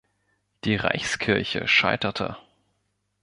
Die Reichskirche scheiterte.